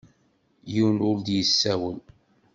Yiwen ur d-yessawel.